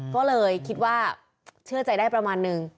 ก็เลยคิดว่าเชื่อใจได้ประมาณนึง